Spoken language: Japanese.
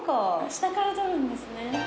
下から撮るんですね。